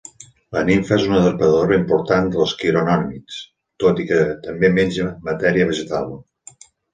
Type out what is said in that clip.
La nimfa és una depredadora important de quironòmids, tot i que també menja matèria vegetal.